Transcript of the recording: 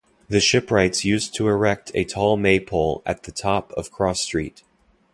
The shipwrights used to erect a tall Maypole at the top of Cross Street.